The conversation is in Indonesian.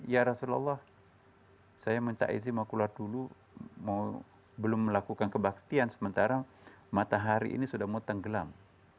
ya rasulullah saya minta izin mau keluar dulu belum melakukan kebaktian sementara matahari ini sudah mau tenggelam